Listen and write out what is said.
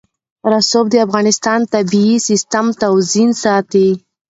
رسوب د افغانستان د طبعي سیسټم توازن ساتي.